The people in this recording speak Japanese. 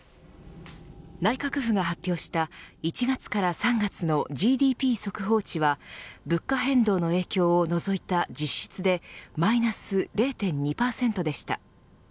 内閣府が発表した１月から３月のＧＤＰ速報値は物価変動の影響を除いた実質でマイナス０．２％でした。